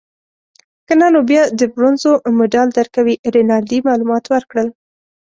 که نه نو بیا د برونزو مډال درکوي. رینالډي معلومات ورکړل.